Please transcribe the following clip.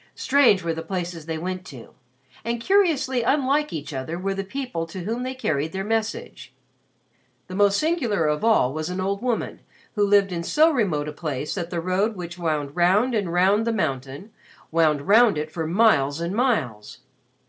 '" Strange were the places they went to and curiously unlike each other were the people to whom they carried their message. The most singular of all was an old woman who lived in so remote a place that the road which wound round and round the mountain, wound round it for miles and miles.